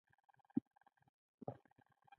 په افغانستان کې یو ښورښ شوی.